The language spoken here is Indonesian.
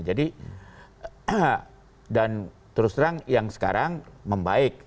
jadi terus terang yang sekarang membaik